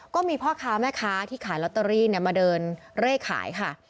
ก็มีพ่อค้าแม่ค้าที่ขายลอตเตอรี่มาเดินเร่ขายค่ะ